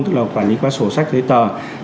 tức là quản lý qua sổ sách giấy tờ